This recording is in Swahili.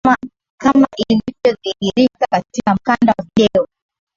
kama lilivyodhihirika katika mkanda wa video